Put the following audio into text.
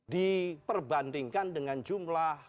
diperbandingkan dengan jumlah